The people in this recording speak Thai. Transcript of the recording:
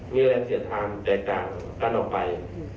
มีแรงเสียดทางแตกต่างกันออกไป